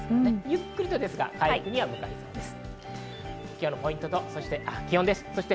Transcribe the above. ゆっくりとですが、回復してきそうです。